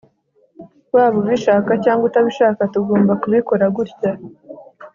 Waba ubishaka cyangwa utabishaka tugomba kubikora gutya